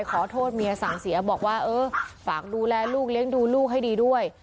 ขอโทษเมียสั่งเสียบอกว่าเออฝากดูแลลูกเลี้ยงดูลูกให้ดีด้วย